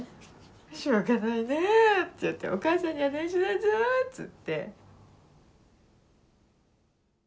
「しょうがないな」って言って「お母さんにはないしょだぞ」つって。